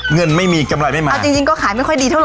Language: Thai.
เงินไม่มีกำไรไม่มาเอาจริงจริงก็ขายไม่ค่อยดีเท่าไ